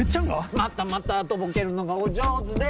またまたとぼけるのがお上手で。